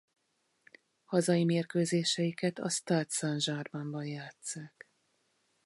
Hazai mérkőzéseiket a Stade Sainte-Germaine-ban játsszák.